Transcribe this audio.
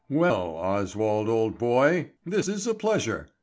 "Well, Oswald, old boy, this is a pleasure!